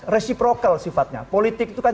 reciprocal sifatnya politik itu kan